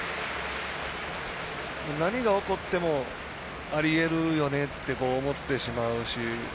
何が起こってもありえるよねって思ってしまうし。